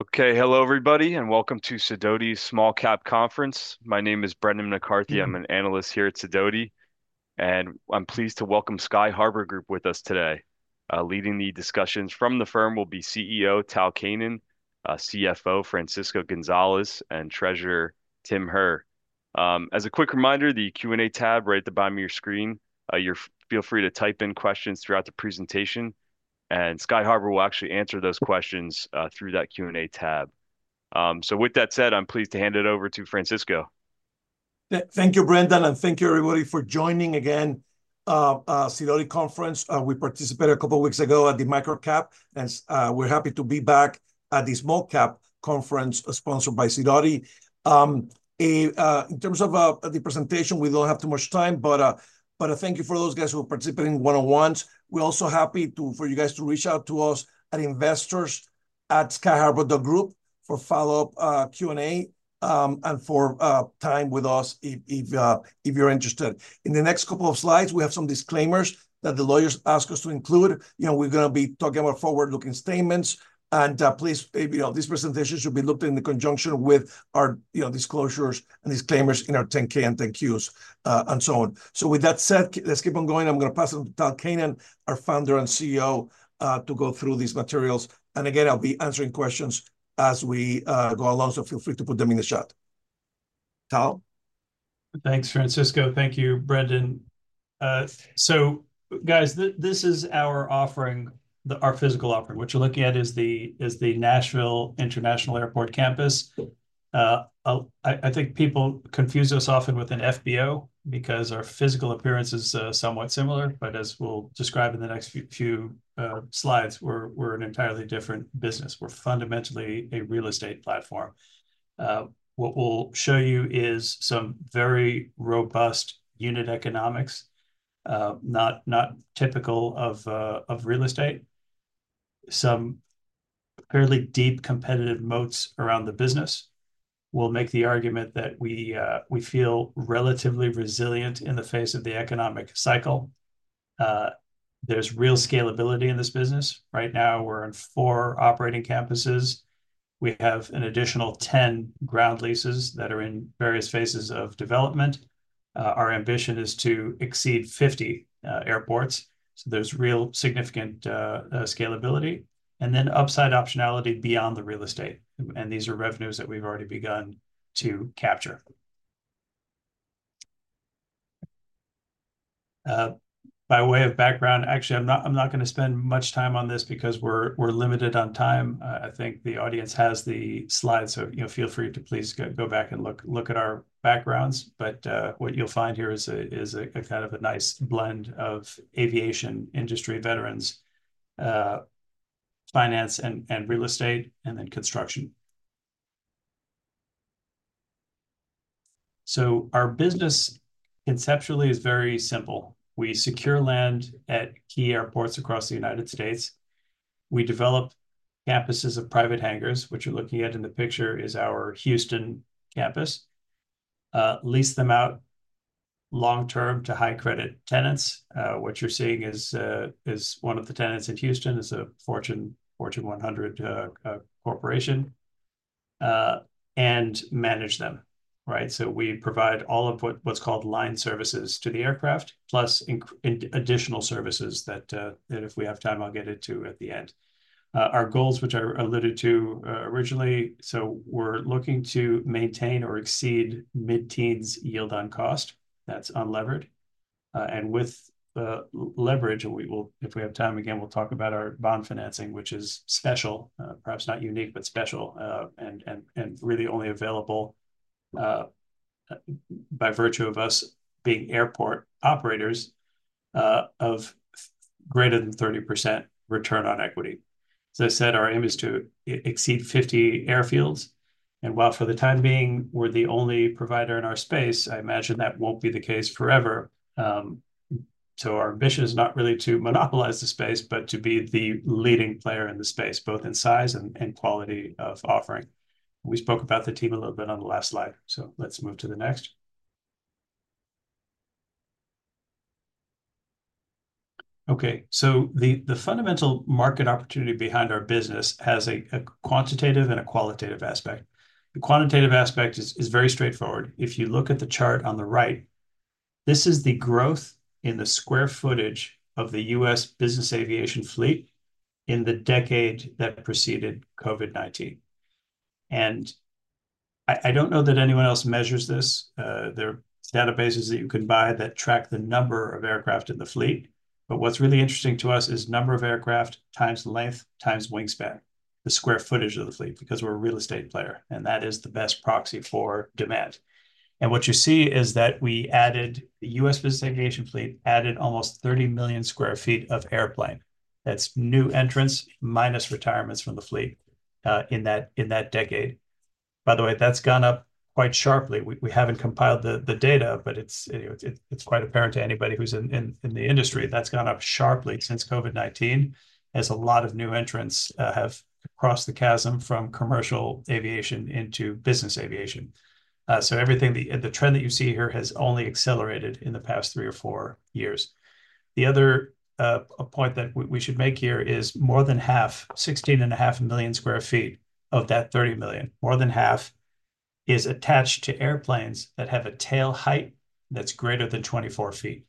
Okay. Hello, everybody, and welcome to Sidoti's Small Cap Conference. My name is Brendan McCarthy. I'm an Analyst here at Sidoti, and I'm pleased to welcome Sky Harbour Group with us today. Leading the discussions from the firm will be CEO Tal Keinan, CFO Francisco Gonzalez, and Treasurer Tim Herr. As a quick reminder, the Q&A tab right at the bottom of your screen, feel free to type in questions throughout the presentation, and Sky Harbour will actually answer those questions through that Q&A tab. So with that said, I'm pleased to hand it over to Francisco. Thank you, Brendan, and thank you everybody for joining again. Sidoti Conference, we participated a couple of weeks ago at the Micro Cap, and we're happy to be back at the Small Cap Conference sponsored by Sidoti. In terms of the presentation, we don't have too much time, but thank you for those guys who are participating one-on-ones. We're also happy for you guys to reach out to us at investors@skyharbour.group for follow-up Q&A, and for time with us if you're interested. In the next couple of slides, we have some disclaimers that the lawyers asked us to include. You know, we're gonna be talking about forward-looking statements and, please, you know, this presentation should be looked in the conjunction with our, you know, disclosures and disclaimers in our 10-K and 10-Qs, and so on. So with that said, let's keep on going. I'm gonna pass it on to Tal Keinan, our Founder and CEO, to go through these materials. And again, I'll be answering questions as we go along, so feel free to put them in the chat. Tal? Thanks, Francisco. Thank you, Brendan. So guys, this is our offering, our physical offering. What you're looking at is the Nashville International Airport campus. I think people confuse us often with an FBO because our physical appearance is somewhat similar, but as we'll describe in the next few slides, we're an entirely different business. We're fundamentally a real estate platform. What we'll show you is some very robust unit economics, not typical of real estate. Some fairly deep competitive moats around the business. We'll make the argument that we feel relatively resilient in the face of the economic cycle. There's real scalability in this business. Right now, we're in four operating campuses. We have an additional 10 ground leases that are in various phases of development. Our ambition is to exceed 50 airports, so there's real significant scalability, and then upside optionality beyond the real estate, and these are revenues that we've already begun to capture. By way of background... Actually, I'm not gonna spend much time on this because we're limited on time. I think the audience has the slides, so, you know, feel free to please go back and look at our backgrounds. But, what you'll find here is a kind of a nice blend of aviation industry veterans, finance and real estate, and then construction. So our business conceptually is very simple. We secure land at key airports across the United States. We develop campuses of private hangars. What you're looking at in the picture is our Houston campus. Lease them out long-term to high-credit tenants. What you're seeing is one of the tenants in Houston is a Fortune 100 corporation and manage them, right? So we provide all of what's called line services to the aircraft, plus additional services that if we have time, I'll get into at the end. Our goals, which I alluded to originally, so we're looking to maintain or exceed mid-teens yield on cost, that's unlevered. And with leverage, and we will if we have time again, we'll talk about our bond financing, which is special, perhaps not unique, but special, and really only available by virtue of us being airport operators, of greater than 30% return on equity. As I said, our aim is to exceed 50 airfields, and while for the time being, we're the only provider in our space, I imagine that won't be the case forever. So our ambition is not really to monopolize the space, but to be the leading player in the space, both in size and quality of offering. We spoke about the team a little bit on the last slide, so let's move to the next. Okay, so the fundamental market opportunity behind our business has a quantitative and a qualitative aspect. The quantitative aspect is very straightforward. If you look at the chart on the right, this is the growth in the square footage of the U.S. business aviation fleet in the decade that preceded COVID-19. And I don't know that anyone else measures this. There are databases that you can buy that track the number of aircraft in the fleet, but what's really interesting to us is number of aircraft times length times wingspan, the square footage of the fleet, because we're a real estate player, and that is the best proxy for demand, and what you see is that we added. The U.S. business aviation fleet added almost 30 million sq ft of airplane. That's new entrants minus retirements from the fleet in that decade. By the way, that's gone up quite sharply. We haven't compiled the data, but it's, you know, it's quite apparent to anybody who's in the industry, that's gone up sharply since COVID-19, as a lot of new entrants have crossed the chasm from commercial aviation into business aviation. So everything, the trend that you see here has only accelerated in the past three or four years. The other point that we should make here is more than half, 16.5 million sq ft of that 30 million, is attached to airplanes that have a tail height that's greater than 24 feet.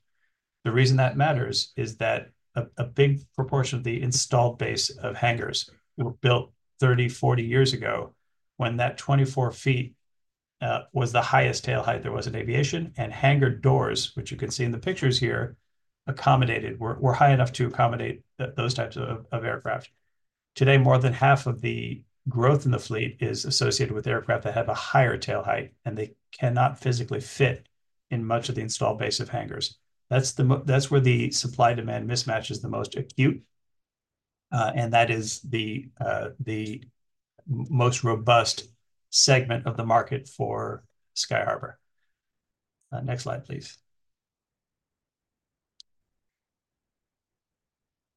The reason that matters is that a big proportion of the installed base of hangars were built 30, 40 years ago, when that 24 feet was the highest tail height there was in aviation, and hangar doors, which you can see in the pictures here, accommodated were high enough to accommodate those types of aircraft. Today, more than half of the growth in the fleet is associated with aircraft that have a higher tail height, and they cannot physically fit in much of the installed base of hangars. That's where the supply-demand mismatch is the most acute, and that is the most robust segment of the market for Sky Harbour. Next slide, please,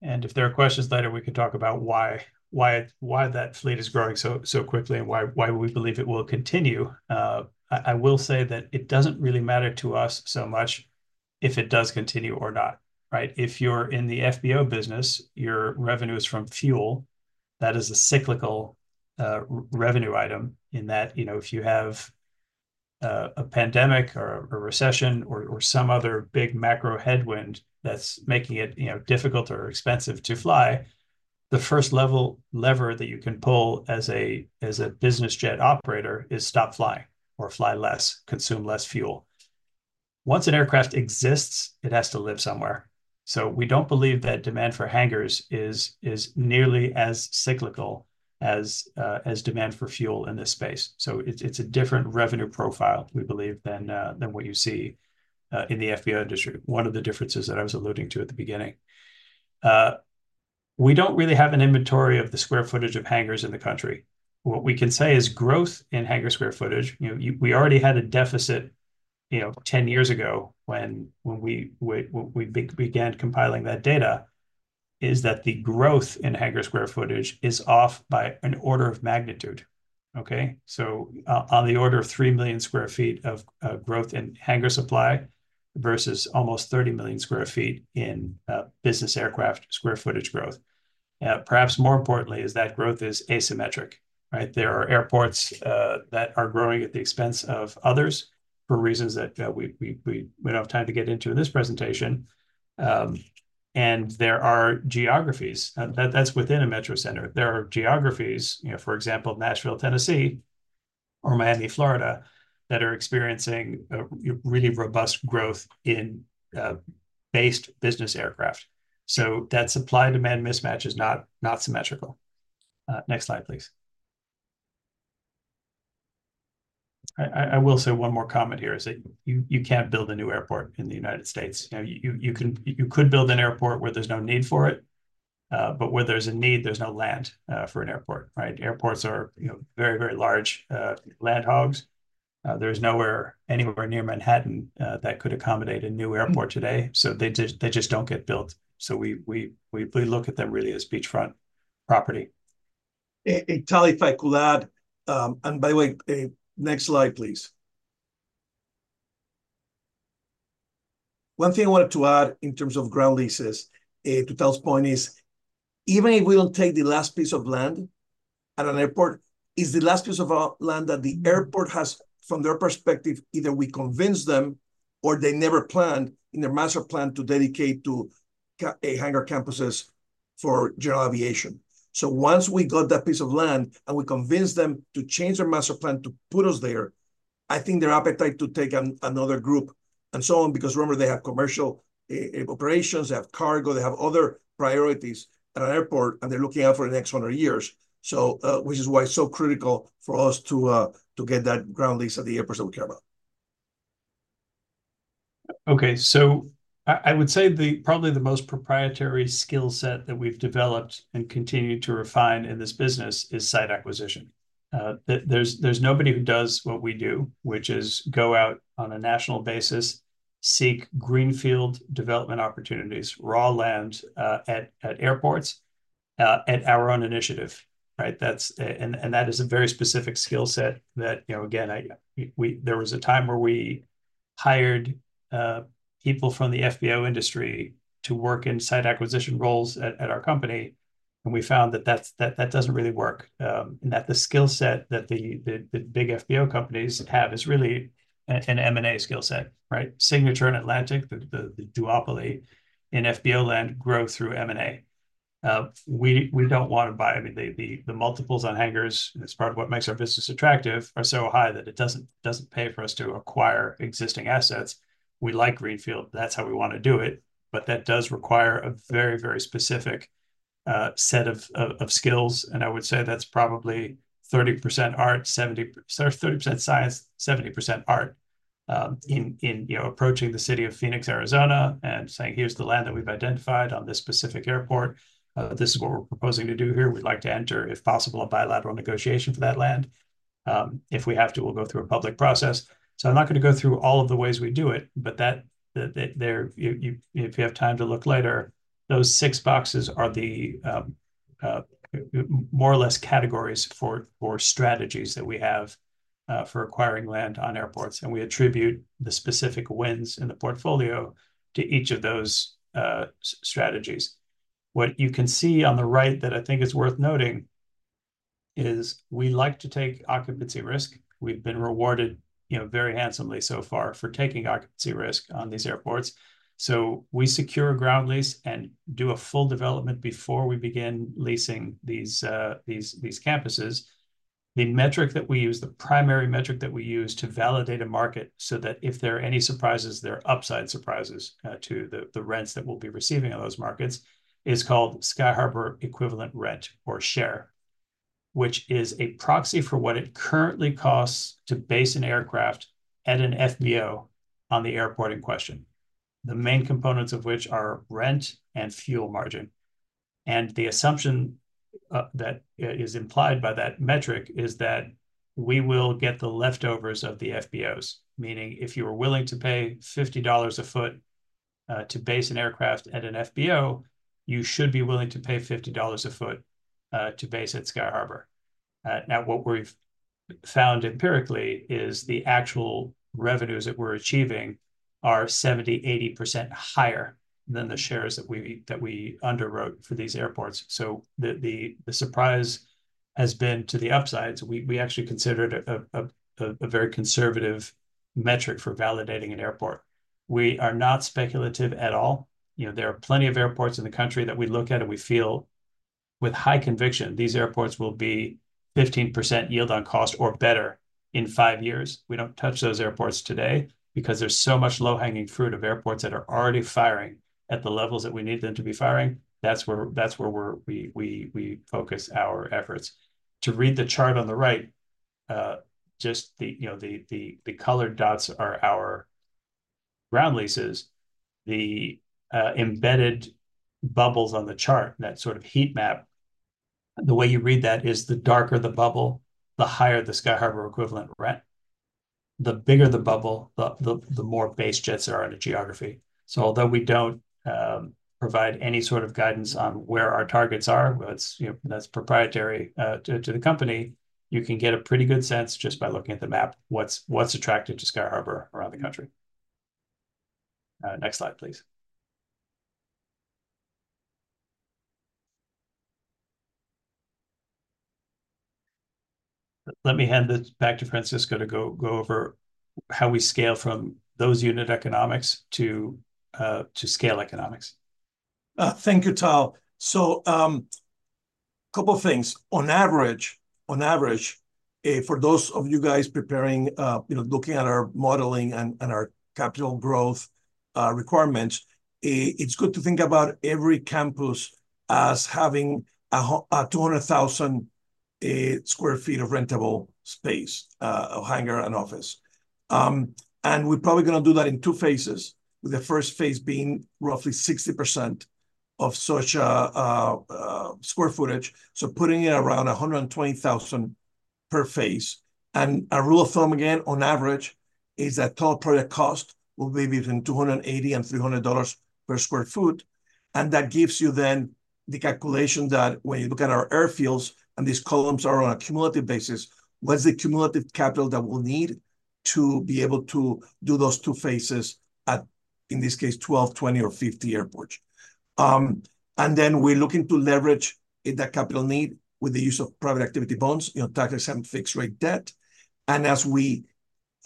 and if there are questions later, we can talk about why, why, why that fleet is growing so, so quickly, and why, why we believe it will continue. I will say that it doesn't really matter to us so much if it does continue or not, right? If you're in the FBO business, your revenue is from fuel. That is a cyclical, revenue item in that, you know, if you have a pandemic, or a recession, or some other big macro headwind that's making it, you know, difficult or expensive to fly, the first lever that you can pull as a business jet operator is stop flying or fly less, consume less fuel. Once an aircraft exists, it has to live somewhere. So we don't believe that demand for hangars is nearly as cyclical as demand for fuel in this space. So it's a different revenue profile, we believe, than what you see in the FBO industry. One of the differences that I was alluding to at the beginning. We don't really have an inventory of the square footage of hangars in the country. What we can say is growth in hangar square footage, you know, we already had a deficit, you know, 10 years ago when we began compiling that data, is that the growth in hangar square footage is off by an order of magnitude, okay? So, on the order of 3 million sq ft of growth in hangar supply versus almost 30 million sq ft in business aircraft square footage growth. Perhaps more importantly, is that growth is asymmetric, right? There are airports that are growing at the expense of others for reasons that we don't have time to get into in this presentation. And there are geographies, and that's within a metro center. There are geographies, you know, for example, Nashville, Tennessee, or Miami, Florida, that are experiencing a really robust growth in based business aircraft. So that supply-demand mismatch is not symmetrical. Next slide, please. I will say one more comment here is that you can't build a new airport in the United States. You know, you could build an airport where there's no need for it, but where there's a need, there's no land for an airport, right? Airports are, you know, very large land hogs. There's nowhere anywhere near Manhattan that could accommodate a new airport today, so they just don't get built. So we look at them really as beachfront property. Hey, hey, Tal, if I could add. And by the way, next slide, please. One thing I wanted to add in terms of ground leases to Tal's point is, even if we don't take the last piece of land at an airport, is the last piece of land that the airport has from their perspective, either we convince them or they never planned in their master plan to dedicate to a hangar campuses for general aviation. So once we got that piece of land, and we convinced them to change their master plan to put us there, I think their appetite to take another group and so on, because remember, they have commercial operations, they have cargo, they have other priorities at an airport, and they're looking out for the next hundred years. Which is why it's so critical for us to get that ground lease at the airports that we care about. Okay. So I would say probably the most proprietary skill set that we've developed and continue to refine in this business is site acquisition. There's nobody who does what we do, which is go out on a national basis, seek greenfield development opportunities, raw land at airports at our own initiative, right? That's and that is a very specific skill set that, you know, again, there was a time where we hired people from the FBO industry to work in site acquisition roles at our company, and we found that that's, that doesn't really work. And that the skill set that the big FBO companies have is really an M&A skill set, right? Signature and Atlantic, the duopoly in FBO land grow through M&A. We don't want to buy. I mean, the multiples on hangars, and it's part of what makes our business attractive, are so high that it doesn't pay for us to acquire existing assets. We like greenfield. That's how we want to do it, but that does require a very specific set of skills, and I would say that's probably 30% art, 70%. Or 30% science, 70% art, in you know, approaching the city of Phoenix, Arizona, and saying, "Here's the land that we've identified on this specific airport. This is what we're proposing to do here. We'd like to enter, if possible, a bilateral negotiation for that land. If we have to, we'll go through a public process," so I'm not gonna go through all of the ways we do it, but if you have time to look later, those six boxes are more or less categories for strategies that we have for acquiring land on airports, and we attribute the specific wins in the portfolio to each of those strategies. What you can see on the right that I think is worth noting is we like to take occupancy risk. We've been rewarded, you know, very handsomely so far for taking occupancy risk on these airports, so we secure a ground lease and do a full development before we begin leasing these campuses. The metric that we use, the primary metric that we use to validate a market, so that if there are any surprises, they're upside surprises, to the rents that we'll be receiving on those markets, is called Sky Harbour Equivalent Rent or SHER, which is a proxy for what it currently costs to base an aircraft at an FBO on the airport in question. The main components of which are rent and fuel margin. The assumption that is implied by that metric is that we will get the leftovers of the FBOs. Meaning, if you are willing to pay $50 a foot to base an aircraft at an FBO, you should be willing to pay $50 a foot to base at Sky Harbour. Now, what we've found empirically is the actual revenues that we're achieving are 70%-80% higher than the shares that we underwrote for these airports. So the surprise has been to the upside. So we actually considered a very conservative metric for validating an airport. We are not speculative at all. You know, there are plenty of airports in the country that we look at, and we feel with high conviction, these airports will be 15% yield on cost or better in five years. We don't touch those airports today because there's so much low-hanging fruit of airports that are already firing at the levels that we need them to be firing. That's where we focus our efforts. To read the chart on the right, just, you know, the colored dots are our ground leases, the embedded bubbles on the chart, that sort of heat map. The way you read that is, the darker the bubble, the higher the Sky Harbour Equivalent Rent, the bigger the bubble, the more base jets there are in a geography. So although we don't provide any sort of guidance on where our targets are, that's, you know, that's proprietary to the company, you can get a pretty good sense just by looking at the map, what's attractive to Sky Harbour around the country. Next slide, please. Let me hand it back to Francisco to go over how we scale from those unit economics to scale economics. Thank you, Tal. Couple things. On average, for those of you guys preparing, you know, looking at our modeling and our capital growth requirements, it's good to think about every campus as having a 200,000 sq ft of rentable space of hangar and office. And we're probably gonna do that in two phases, with the first phase being roughly 60% of such sq ft. So putting in around 120,000 per phase. And a rule of thumb, again, on average, is that total project cost will be between $280 and $300 per sq ft. That gives you then the calculation that when you look at our airfields, and these columns are on a cumulative basis, what is the cumulative capital that we'll need to be able to do those two phases at, in this case, 12, 20, or 50 airports? And then we're looking to leverage that capital need with the use of private activity bonds, you know, tax-exempt fixed-rate debt. And it's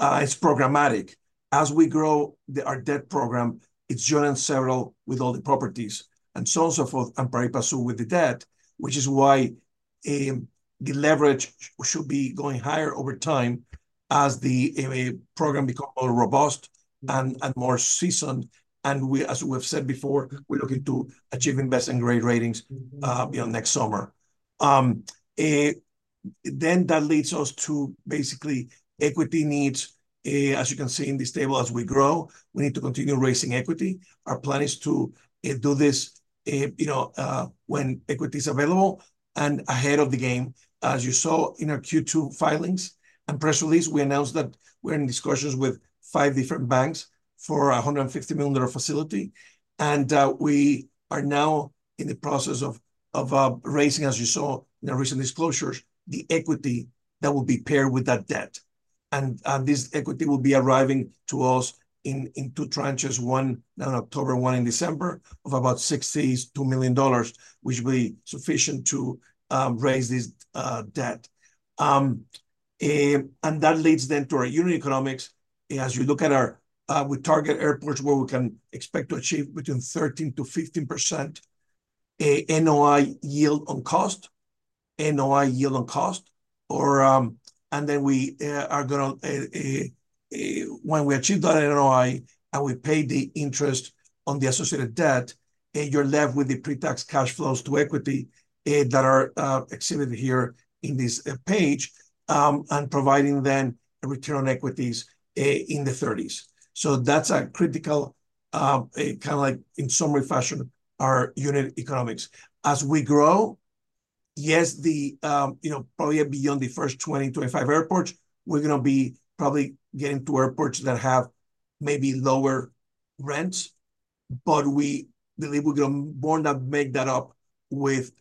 programmatic. As we grow our debt program, it's joint and several with all the properties, and so on, so forth, and pari passu with the debt, which is why the leverage should be going higher over time as the program becomes more robust and more seasoned. As we've said before, we're looking to achieve investment-grade ratings, you know, next summer. Then that leads us to basically equity needs. As you can see in this table, as we grow, we need to continue raising equity. Our plan is to do this, you know, when equity is available and ahead of the game. As you saw in our Q2 filings and press release, we announced that we're in discussions with five different banks for a $150 million facility, and we are now in the process of raising, as you saw in the recent disclosures, the equity that will be paired with that debt. And this equity will be arriving to us in two tranches: one on October, one in December, of about $62 million, which will be sufficient to raise this debt. And that leads then to our unit economics. As you look at our, we target airports where we can expect to achieve between 13%-15%, NOI yield on cost, NOI yield on cost, or, and then we are gonna... When we achieve that NOI, and we pay the interest on the associated debt, you're left with the pre-tax cash flows to equity, that are exhibited here in this page, and providing then a return on equities in the thirties. So that's a critical, kinda like in summary fashion, our unit economics. As we grow, yes, the, you know, probably beyond the first 20, 25 airports, we're gonna be probably getting to airports that have maybe lower rents. But we believe we're gonna more than make that up with-...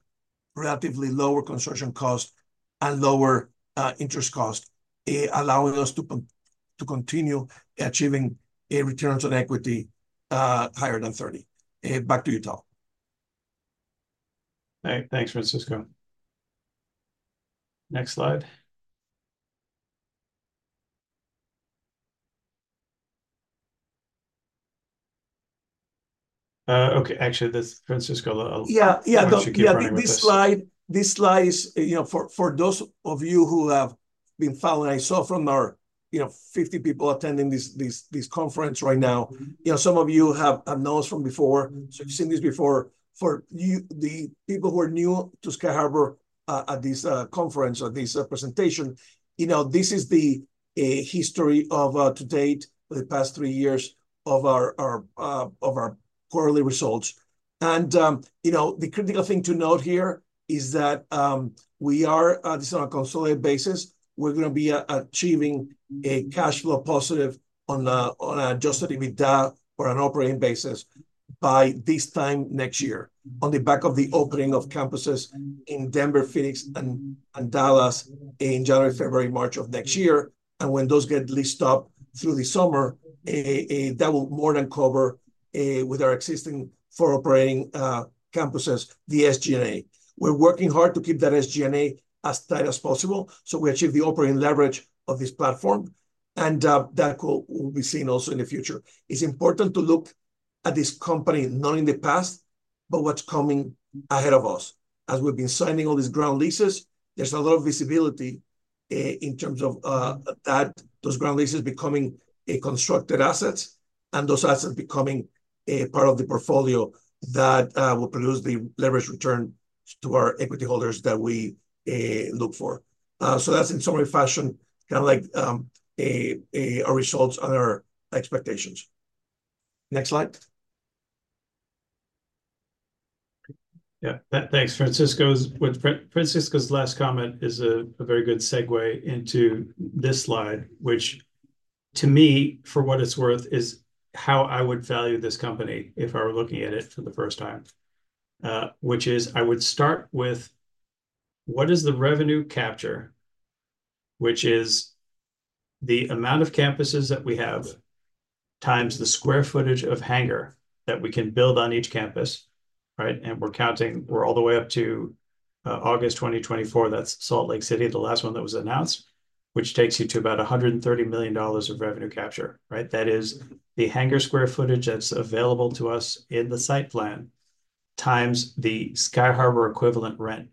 relatively lower construction cost and lower interest cost, allowing us to continue achieving a returns on equity higher than 30. Back to you, Tal. Thanks, Francisco. Next slide. Okay, actually, that's Francisco. Yeah, yeah, yeah. Why don't you get running with this? This slide is, you know, for those of you who have been following, I saw from our, you know, 50 people attending this conference right now, you know, some of you have noticed from before, so you've seen this before. For you, the people who are new to Sky Harbour at this conference or this presentation, you know, this is the history to date, the past three years of our quarterly results. You know, the critical thing to note here is that this is on a consolidated basis, we're gonna be achieving a cash flow positive on a Adjusted EBITDA or an operating basis by this time next year. On the back of the opening of campuses in Denver, Phoenix, and Dallas in January, February, March of next year, and when those get leased up through the summer, that will more than cover, with our existing four operating campuses, the SG&A. We're working hard to keep that SG&A as tight as possible, so we achieve the operating leverage of this platform, and that call will be seen also in the future. It's important to look at this company, not in the past, but what's coming ahead of us. As we've been signing all these ground leases, there's a lot of visibility in terms of those ground leases becoming constructed assets, and those assets becoming a part of the portfolio that will produce the leverage return to our equity holders that we look for. So that's in summary fashion, kinda like, our results and our expectations. Next slide. Yeah. Thanks, Francisco. With Francisco's last comment is a very good segue into this slide, which to me, for what it's worth, is how I would value this company if I were looking at it for the first time. Which is I would start with, what is the revenue capture? Which is the amount of campuses that we have, times the square footage of hangar that we can build on each campus, right? And we're counting all the way up to August 2024, that's Salt Lake City, the last one that was announced, which takes you to about $130 million of revenue capture, right? That is the hangar square footage that's available to us in the site plan, times the Sky Harbour Equivalent Rent.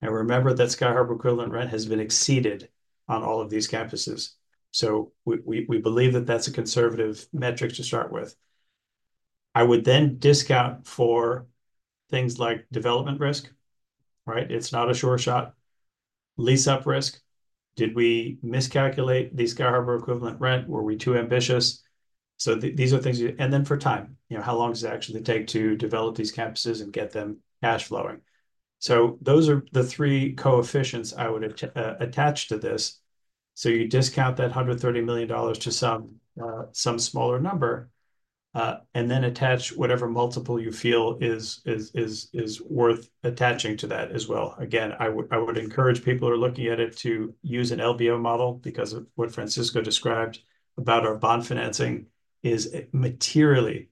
And remember that Sky Harbour Equivalent Rent has been exceeded on all of these campuses. So we believe that that's a conservative metric to start with. I would then discount for things like development risk, right? It's not a sure shot. Lease-up risk. Did we miscalculate the Sky Harbour equivalent rent? Were we too ambitious? So these are things. And then for time, you know, how long does it actually take to develop these campuses and get them cash flowing? So those are the three coefficients I would attach to this. So you discount that $130 million to some smaller number, and then attach whatever multiple you feel is worth attaching to that as well. Again, I would encourage people who are looking at it to use an LBO model, because what Francisco described about our bond financing is materially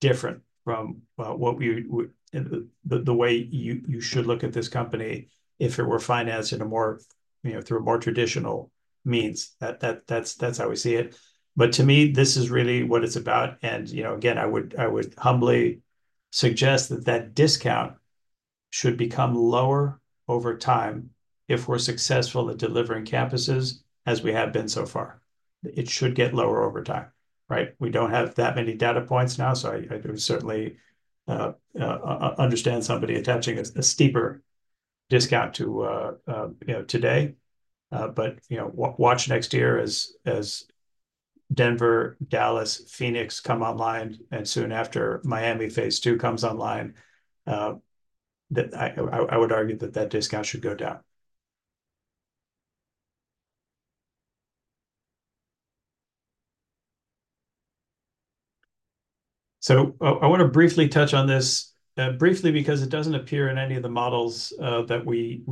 different from the way you should look at this company if it were financed in a more, you know, through a more traditional means. That's how we see it. But to me, this is really what it's about, and, you know, again, I would humbly suggest that discount should become lower over time if we're successful at delivering campuses as we have been so far. It should get lower over time, right? We don't have that many data points now, so I would certainly understand somebody attaching a steeper discount to, you know, today. But, you know, watch next year as Denver, Dallas, Phoenix come online, and soon after, Miami phase II comes online, that I would argue that that discount should go down, so I wanna briefly touch on this, briefly, because it doesn't appear in any of the models that we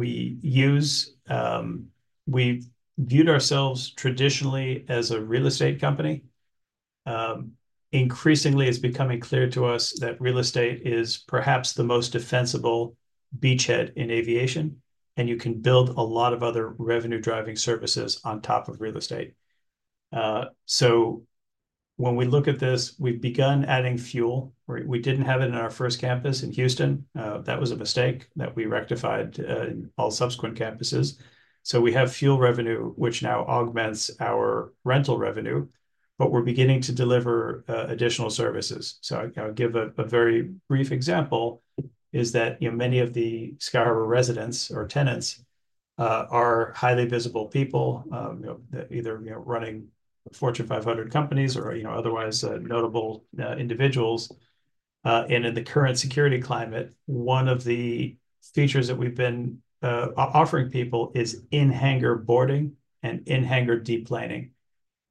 use. We viewed ourselves traditionally as a real estate company. Increasingly, it's becoming clear to us that real estate is perhaps the most defensible beachhead in aviation, and you can build a lot of other revenue-driving services on top of real estate, so when we look at this, we've begun adding fuel. We didn't have it in our first campus in Houston. That was a mistake that we rectified in all subsequent campuses. So we have fuel revenue, which now augments our rental revenue, but we're beginning to deliver additional services. So I'll give a very brief example is that you know, many of the Sky Harbour residents or tenants are highly visible people, you know, either you know, running Fortune 500 companies or you know, otherwise notable individuals. And in the current security climate, one of the features that we've been offering people is in-hangar boarding and in-hangar deplaning,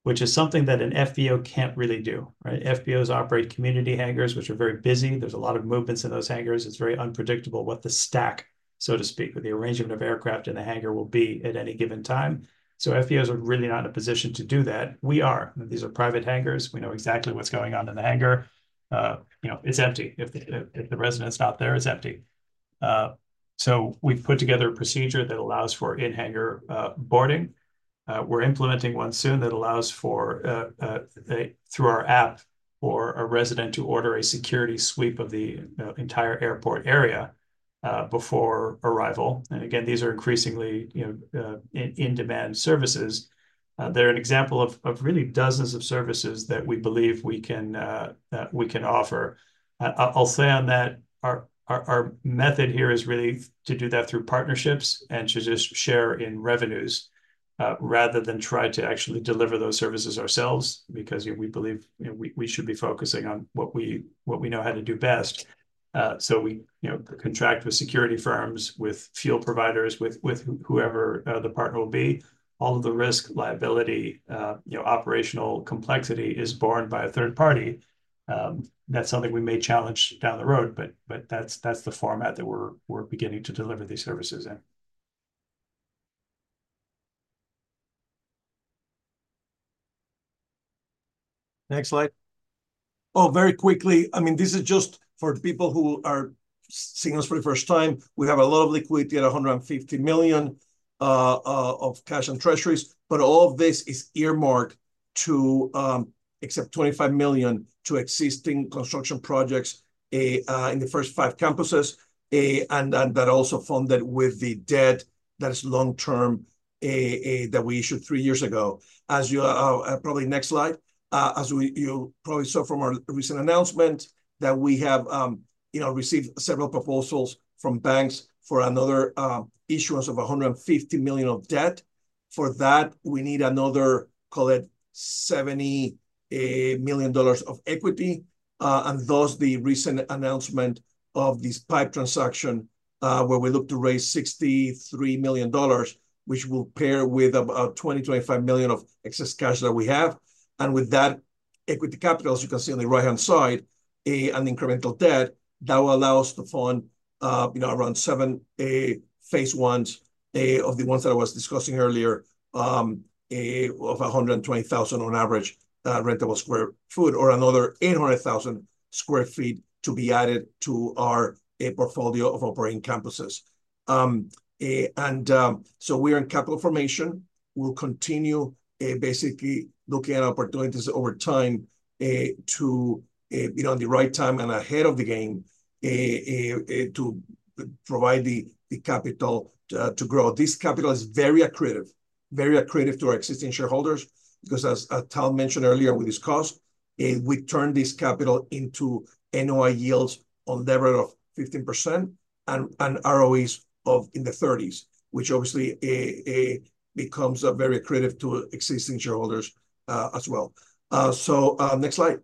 which is something that an FBO can't really do, right? FBOs operate community hangars, which are very busy. There's a lot of movements in those hangars. It's very unpredictable what the stack, so to speak, or the arrangement of aircraft in the hangar will be at any given time. So FBOs are really not in a position to do that. We are. These are private hangars. We know exactly what's going on in the hangar. You know, it's empty. If the resident's not there, it's empty. So we've put together a procedure that allows for in-hangar boarding. We're implementing one soon that allows for through our app for a resident to order a security sweep of the, you know, entire airport area before arrival. And again, these are increasingly, you know, in-demand services. They're an example of really dozens of services that we believe we can offer. I'll say on that, our method here is really to do that through partnerships and to just share in revenues, rather than try to actually deliver those services ourselves, because we believe, you know, we should be focusing on what we know how to do best. So we, you know, contract with security firms, with fuel providers, with whoever the partner will be. All of the risk, liability, you know, operational complexity is borne by a third party. That's something we may challenge down the road, but that's the format that we're beginning to deliver these services in. Next slide. Oh, very quickly, I mean, this is just for the people who are seeing us for the first time. We have a lot of liquidity at $150 million of cash on treasuries, but all of this is earmarked except $25 million to existing construction projects in the first five campuses, and that also funded with the debt that is long-term that we issued three years ago. As you probably next slide, you probably saw from our recent announcement, that we have, you know, received several proposals from banks for another issuance of $150 million of debt. For that, we need another, call it $70 million of equity, and thus the recent announcement of this PIPE transaction, where we look to raise $63 million, which we'll pair with about $20-$25 million of excess cash that we have. And with that equity capital, as you can see on the right-hand side, an incremental debt, that will allow us to fund, you know, around seven phase ones of the ones that I was discussing earlier, of 120,000 on average rentable sq ft, or another 800,000 sq ft to be added to our portfolio of operating campuses. And so we are in capital formation. We'll continue basically looking at opportunities over time to be on the right time and ahead of the game to provide the capital to grow. This capital is very accretive, very accretive to our existing shareholders, because as Tal mentioned earlier with this cost, we turn this capital into NOI yields on the order of 15% and ROEs of in the thirties, which obviously becomes very accretive to existing shareholders as well. So next slide.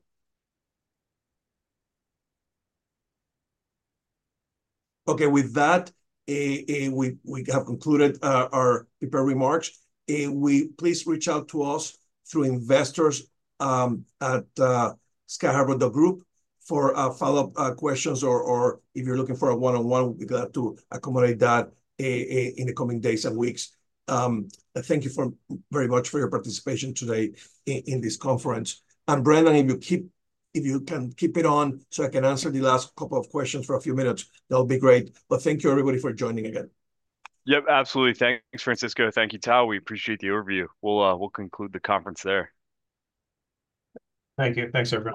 Okay, with that, we have concluded our prepared remarks. Please reach out to us through investors at Sky Harbour Group for follow-up questions, or if you're looking for a one-on-one, we'll be glad to accommodate that in the coming days and weeks. Thank you very much for your participation today in this conference. And Brendan, if you can keep it on, so I can answer the last couple of questions for a few minutes, that would be great. But thank you, everybody, for joining again. Yep, absolutely. Thanks, Francisco. Thank you, Tal. We appreciate the overview. We'll, we'll conclude the conference there. Thank you. Thanks, everyone.